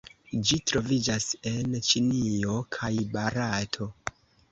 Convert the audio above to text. Ĝi troviĝas en Ĉinio kaj Barato.